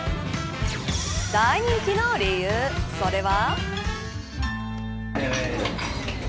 大人気の理由、それは。